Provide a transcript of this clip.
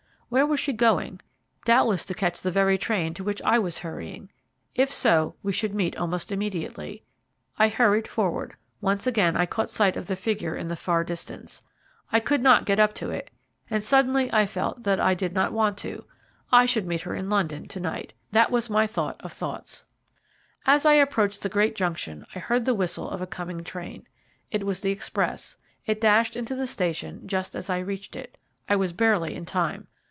Where was she going? Doubtless to catch the very train to which I was hurrying. If so, we should meet almost immediately. I hurried forward. Once again I caught sight of the figure in the far distance. I could not get up to it, and suddenly I felt that I did not want to. I should meet her in London to night. That was my thought of thoughts. As I approached the great junction I heard the whistle of a coming train. It was the express. It dashed into the station just as I reached it. I was barely in time.